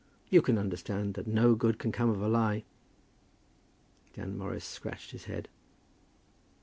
"You can understand that no good can come of a lie." Dan Morris scratched his head.